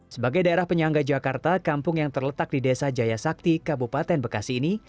sebagai daerah penyangga jakarta kampung yang terletak di desa jaya sakti kabupaten bekasi ini